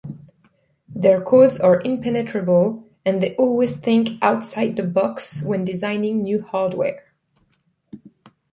Their codes are impenetrable, and they always think "outside-the-box" when designing new hardware.